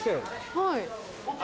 はい。